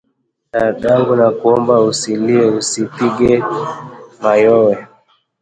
"Dadangu nakuomba usilie, usipige mayowe